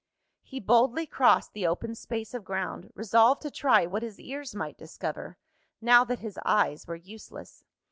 He boldly crossed the open space of ground, resolved to try what his ears might discover, now that his eyes were useless.